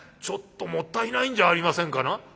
ちょっともったいないんじゃありませんかな」。